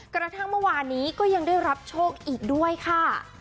กระทั่งเมื่อวานนี้ก็ยังได้รับโชคอีกด้วยค่ะ